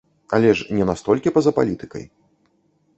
Але ж не настолькі па-за палітыкай.